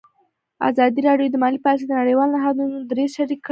ازادي راډیو د مالي پالیسي د نړیوالو نهادونو دریځ شریک کړی.